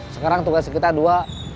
sekarang tugas kita dua